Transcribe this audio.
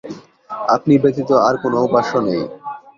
আপনি ব্যতীত আর কোনো উপাস্য নেই।